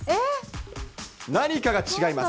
何かが違います。